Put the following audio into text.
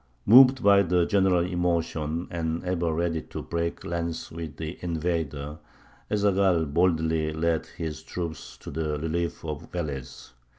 Moved by the general emotion, and ever ready to break lance with the invader, Ez Zaghal boldly led his troops to the relief of Velez.